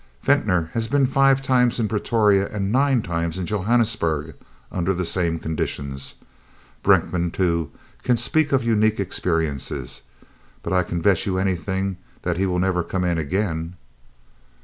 Venter has been five times in Pretoria and nine times in Johannesburg under the same conditions. Brenckmann, too, can speak of unique experiences but I can bet you anything that he will never come in again."